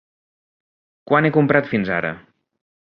Quant he comprat fins ara?